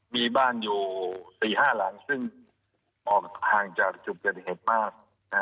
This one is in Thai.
มีบ้านอยู่๔๕หลังซึ่งออกห่างจากจุดเกิดเหตุมาก